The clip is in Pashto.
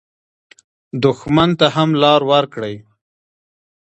دښمن ته هم لار ورکړئ